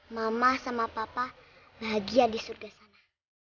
mama sama papa bahagia di surga sana